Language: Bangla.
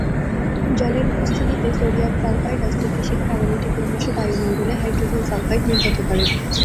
জলের উপস্থিতিতে সোডিয়াম সালফাইড অস্থিতিশীল কারণ এটি ক্রমশ বায়ুমণ্ডলে হাইড্রোজেন সালফাইড নির্গত করে।